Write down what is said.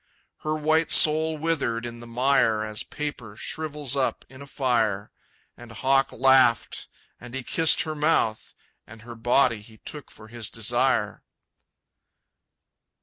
Her white soul withered in the mire As paper shrivels up in fire, And Hawk laughed, and he kissed her mouth, And her body he took for his desire.